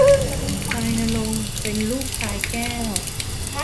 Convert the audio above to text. พลายณรงค์เป็นลูกพลายแก้ว